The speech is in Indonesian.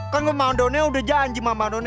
kan gue sama andone udah janji sama andone